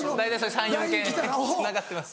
３４件つながってます。